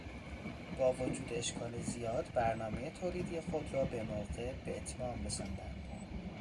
باوجود اشکال زیاد، برنامهٔ تولیدی خود را بموقع باتمام رساندند.